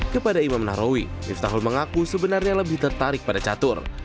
kepada imam lahrawi lifta hul mengaku sebenarnya lebih tertarik pada catur